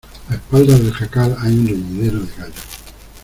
a espaldas del jacal hay un reñidero de gallos.